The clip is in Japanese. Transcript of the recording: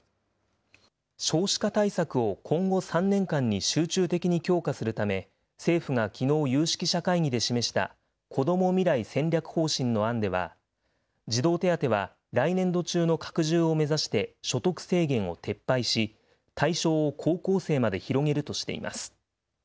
少子化対策を今後３年間に集中的に強化するため、政府がきのう有識者会議で示した、こども未来戦略方針の案では、児童手当は来年度中の拡充を目指して、所得制限を撤廃し、対象を高校生まで広げるとしています。